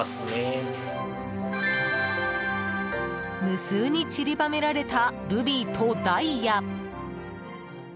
無数に散りばめられたルビーとダイヤ。